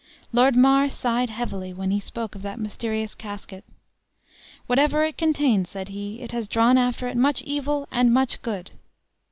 Lord Mar sighed heavily when he spoke of that mysterious casket. "Whatever it contained," said he, "it has drawn after it much evil and much good.